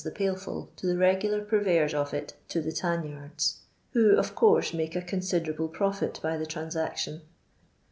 the pail full to the regular purveyors of it to the tan yardi, who of coarse make a considerable profit by the transaction.